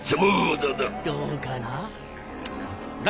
どうかな？